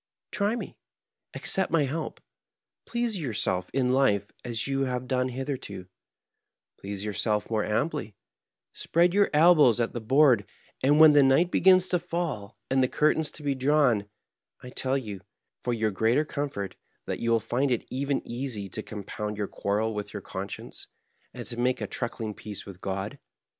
Try me. Accept my help. Please yourself in life as y<m have done hith erto ; please yom^elf more amply, spread your elbows at the board; and when the night begins to fall and the curtains to be drawn, I tell you, for your greater com fort, that you will find it even easy to compound your quarrel with your conscience, and to make a truckling peace with God.